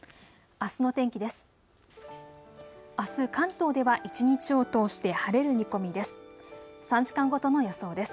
あすの天気です。